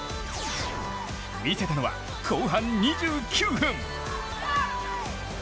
魅せたのは後半２９分。